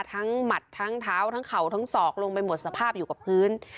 หมัดทั้งเท้าทั้งเข่าทั้งศอกลงไปหมดสภาพอยู่กับพื้น